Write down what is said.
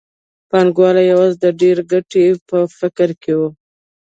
پانګوال یوازې د ډېرې ګټې په فکر کې وو